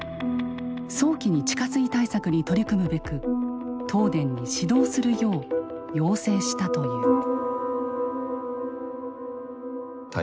早期に地下水対策に取り組むべく東電に指導するよう要請したという。